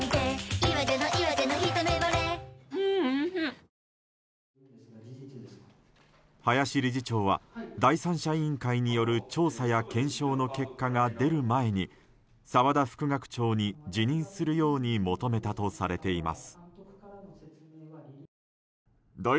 不眠には緑の漢方セラピー林理事長は第三者委員会による調査や検証の結果が出る前に澤田副学長に辞任するように求めたとされています。